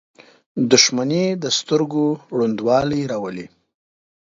• دښمني د سترګو ړندوالی راولي.